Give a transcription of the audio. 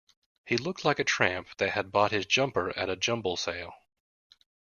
He looked like a tramp that had bought his jumper at a jumble sale